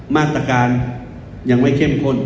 มาตรการยังไม่เข้มข้น